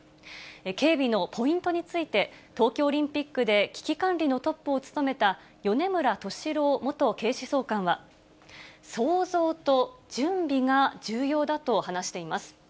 警備のポイントについて、東京オリンピックで危機管理のトップを務めた、米村敏朗元警視総監は、想像と準備が重要だと話しています。